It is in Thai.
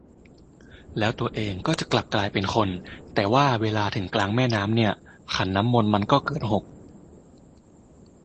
แล้วตัวเองก็จะกลับกลายเป็นคน แต่ว่าเวลาถึงกลางแม่น้ำเนี่ยขันน้ำมนต์มันก็เกิดหก